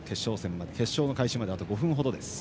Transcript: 決勝の開始まで、あと５分ほど。